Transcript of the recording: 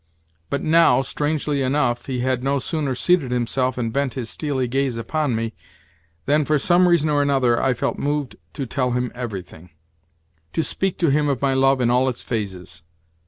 But now, strangely enough, he had no sooner seated himself and bent his steely gaze upon me, than, for some reason or another, I felt moved to tell him everything—to speak to him of my love in all its phases.